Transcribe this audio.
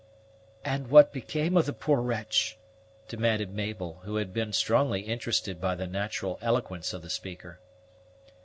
"And what became of the poor wretch?" demanded Mabel, who had been strongly interested by the natural eloquence of the speaker.